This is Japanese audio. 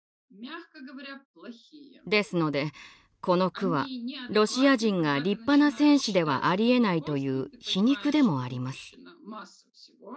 ですのでこの句はロシア人が立派な戦士ではありえないという皮肉でもあります。